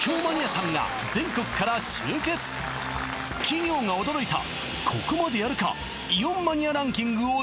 企業が驚いた！